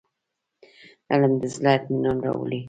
علم د زړه اطمينان راوړي.